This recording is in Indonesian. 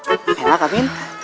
ini enak amin